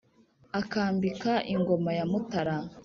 akambika ingoma ya mutara